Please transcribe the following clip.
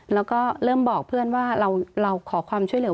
แล้วก็เริ่มบอกเพื่อนว่าเราขอความช่วยเหลือ